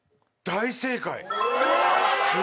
大正解！